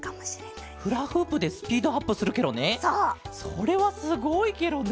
それはすごいケロね。